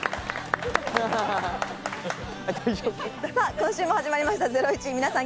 今週も始まりました『ゼロイチ』、皆さん